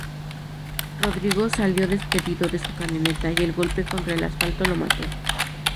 Rodrigo salió despedido de su camioneta y el golpe contra el asfalto lo mató.